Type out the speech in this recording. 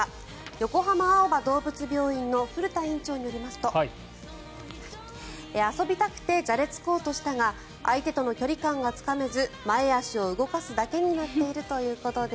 横浜青葉どうぶつ病院の古田院長によりますと遊びたくてじゃれつこうとしたが相手との距離感がつかめず前足を動かすだけになっているということです。